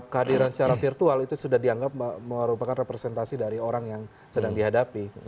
kehadiran secara virtual itu sudah dianggap merupakan representasi dari orang yang sedang dihadapi